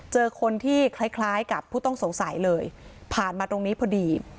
เจอคนที่คล้ายกับผู้ต้องสงสัยเลยผ่านมาตรงนี้พอดี